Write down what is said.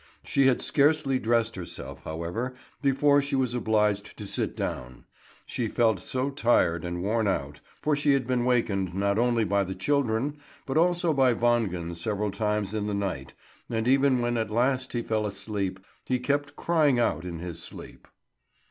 She had scarcely dressed herself, however, before she was obliged to sit down. She felt so tired and worn out, for she had been wakened not only by the children, but also by Wangen several times in the night, and even when at last he fell asleep, he kept crying out in his sleep.